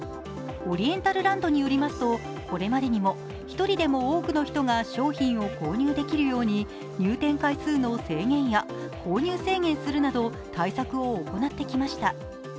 オリエンタルランドよりますと、これまでにも一人でも多くの人が商品を購入できるように入店回数の制限や購入制限するなど対策を行ってきました。